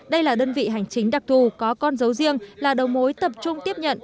đây là đơn vị hành chính đặc thù có con dấu riêng là đầu mối tập trung tiếp nhận